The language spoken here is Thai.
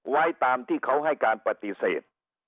ไว้ตามที่เขาให้การปฏิเสธ